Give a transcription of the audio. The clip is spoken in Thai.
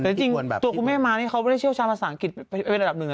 แต่จริงตัวคุณแม่มานี่เขาไม่ได้เชี่ยวชาญภาษาอังกฤษเป็นระดับหนึ่ง